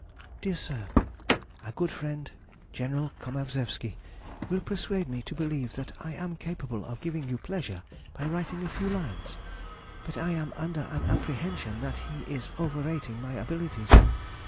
DEAR SIR,— Our good friend, General Komavzewski, will persuade me to believe that I am capable of giving you pleasure by writing a few lines; but I am under an apprehension that he is overrating my abilities.